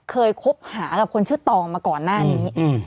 คบหากับคนชื่อตองมาก่อนหน้านี้